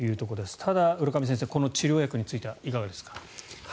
ただ、浦上先生治療薬についてはいかがですか？